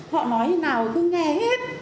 họ nói như thế nào cứ nghe hết